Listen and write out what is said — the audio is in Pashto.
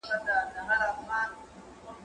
که وخت وي، وخت تېرووم!؟